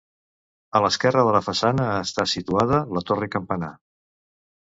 A l'esquerra de la façana està situada la torre campanar.